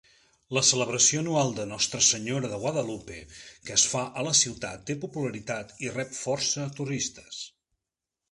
La celebració anual de Nostra Senyora de Guadalupe que es fa a la ciutat té popularitat i rep força turistes.